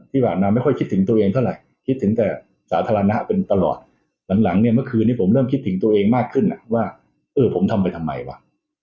ที่ผ่านมาไม่ค่อยคิดถึงตัวเองเท่าไหร่คิดถึงแต่สาธารณะเป็นตลอดหลังเนี่ยเมื่อคืนนี้ผมเริ่มคิดถึงตัวเองมากขึ้นว่าเออผมทำไปทำไมวะ